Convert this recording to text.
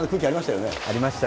ありましたね。